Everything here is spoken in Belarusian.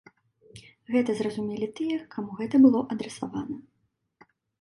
Гэта зразумелі тыя, каму гэта было адрасавана.